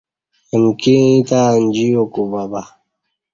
امکی ییں تہ انجی یو کوبہ بہ۔